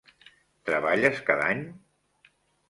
Treballes cada any?